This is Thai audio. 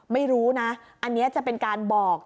ไม่รู้นะอันนี้จะเป็นการบอก